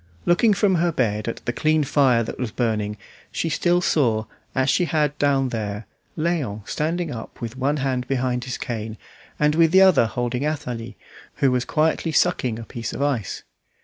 Looking from her bed at the clean fire that was burning, she still saw, as she had down there, Léon standing up with one hand behind his cane, and with the other holding Athalie, who was quietly sucking a piece of ice.